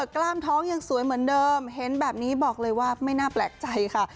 กล้ามท้องยังสวยเหมือนเดิมเห็นแบบนี้บอกเลยว่าไม่น่าแปลกใจค่ะ